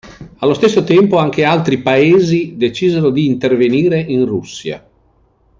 Allo stesso tempo anche altri Paesi decisero di intervenire in Russia.